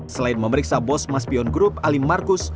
selain memeriksa bos mas pion grup alim markus